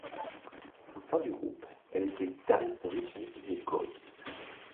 Au sein du groupe, elle était guitariste rythmique et choriste.